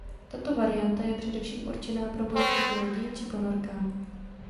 Tato varianta je především určená pro boj proti lodím či ponorkám.